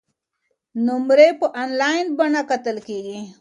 نمرې په انلاین بڼه کتل کیږي.